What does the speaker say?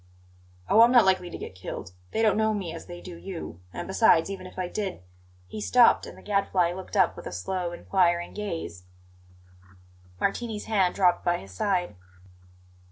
"Oh, I'm not likely to get killed! They don't know me as they do you. And, besides, even if I did " He stopped, and the Gadfly looked up with a slow, inquiring gaze. Martini's hand dropped by his side.